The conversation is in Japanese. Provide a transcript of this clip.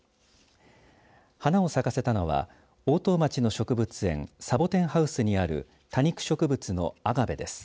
花を咲かせたのは大任町の植物園サボテンハウスにある多肉植物のアガベです。